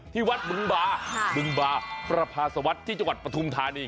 ที่วัดบึงบาบึงบาประพาสวัสดิ์ที่จังหวัดปฐุมธานี